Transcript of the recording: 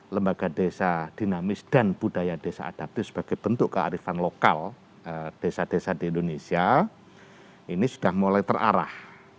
lembaga desa dinamis dan budaya desa adaptif sebagai bentuk kearifan lokal desa desa di indonesia ini sudah mulai terarah